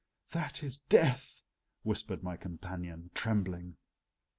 "That is Death," whispered my companion, trembling.